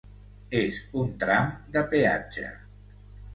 És un tram de peatge.